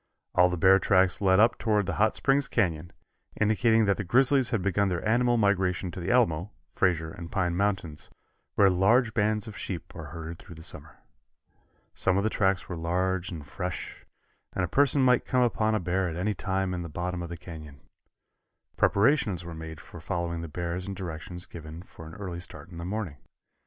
All the bear tracks led up toward the Hot Springs Canyon, indicating that the grizzlies had begun their annual migration to the Alamo, Frazier and Pine mountains, where large bands of sheep are herded through the summer. Some of the tracks were large and fresh, and a person might come upon a bear at any time in the bottom of the canyon. Preparations were made for following the bears and directions given for an early start in the morning.